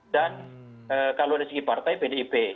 dan kalau dari segi partai pdip